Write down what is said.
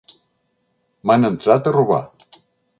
M'han entrat a robar.